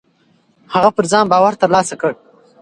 هغه پر ځان باور ترلاسه کړ.